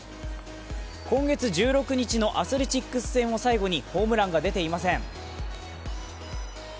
今月１６日のアスレチックス戦を最後にホームランが出ていません。